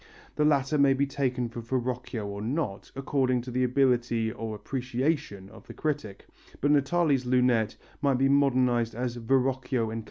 The latter may be taken for Verrocchio or not, according to the ability or appreciation of the critic; but Natali's lunette might be modernized as "Verrocchio and Co.